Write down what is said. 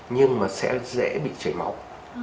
nhưng mà sẽ dễ bị chảy máu